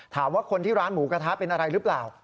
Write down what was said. ถามว่าคนที่ร้านหมูกระทะเป็นอะไรหรือเปล่า